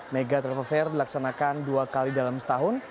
mega travel fair dilaksanakan dua kali dalam setahun